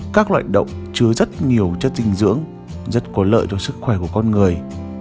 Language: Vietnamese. các loại động chứa rất nhiều chất dinh dưỡng rất có lợi cho sức khỏe của con người